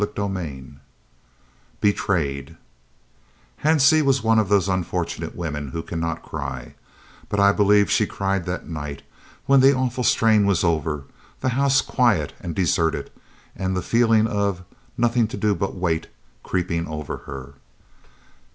CHAPTER XXXVII BETRAYED Hansie was one of those unfortunate women who cannot cry, but I believe she cried that night when the awful strain was over, the house quiet and deserted, and the feeling of "nothing to do but wait" creeping over her.